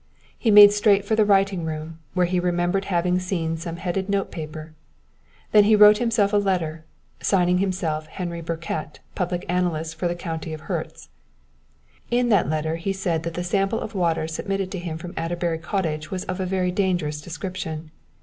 He made straight for the writing room where he remembered having seen some headed note paper. Then he wrote himself a letter, signing himself Henry Birkett, Public Analyst for the County of Herts. In the letter he said that the sample of water submitted to him from Adderbury Cottage was of a very dangerous description.